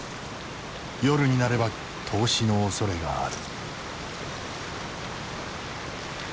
夜になれば凍死のおそれがある。